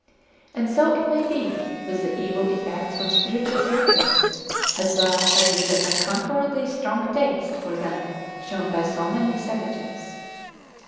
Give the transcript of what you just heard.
and so it may be with the evil effects from spirituous liquors, as well as with the unconquerably strong taste for them shewn by so many savages.